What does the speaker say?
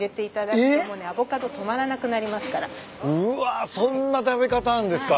うわそんな食べ方あるんですか。